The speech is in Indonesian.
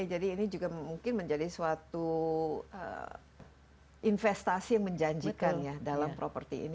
jadi ini juga mungkin menjadi suatu investasi yang menjanjikan ya dalam properti ini